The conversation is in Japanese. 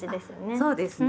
そうですね。